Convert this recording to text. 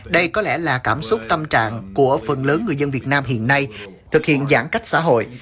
đây có lẽ là cảm xúc tâm trạng của phần lớn người dân việt nam hiện nay thực hiện giãn cách xã hội